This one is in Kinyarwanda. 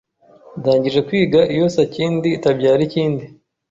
ndangije kwiga iyo sakindi itabyara ikindi.